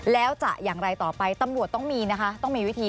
แล้วจะอย่างไรต่อไปตำรวจต้องมีนะคะต้องมีวิธี